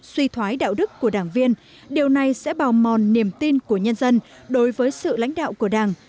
suy thoái đạo đức của đảng viên điều này sẽ bào mòn niềm tin của nhân dân đối với sự lãnh đạo của đảng